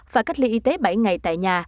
và cách ly y tế bảy ngày tại nhà